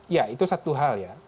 ya itu satu hal ya